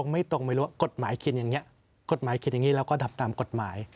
ไม่รู้กฎหมายคิดอย่างนี้แล้วก็ทำตามกฎหมาย